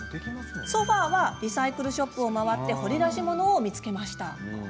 ソファーはリサイクルショップを回って掘り出し物を見つけました。